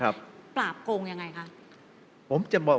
ปราบโกงอย่างไรคะ